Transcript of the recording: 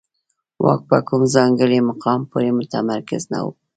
واک په کوم ځانګړي مقام پورې متمرکز نه و